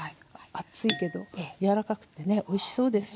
熱いけど柔らかくてねおいしそうですよね今。